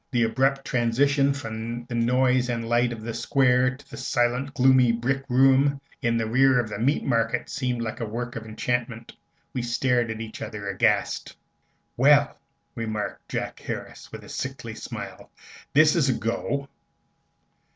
The abrupt transition from the noise and light of the Square to the silent, gloomy brick room in the rear of the Meat Market seemed like the work of enchantment. We stared at each other, aghast. "Well," remarked Jack Harris, with a sickly smile, "this is a go!"